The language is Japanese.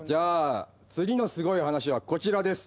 次の凄い話はこちらです。